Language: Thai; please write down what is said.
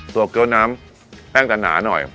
เกี้ยวน้ำแห้งจะหนาหน่อย